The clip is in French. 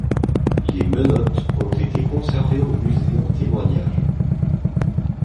Les menottes ont été conservées au Musée en témoignage.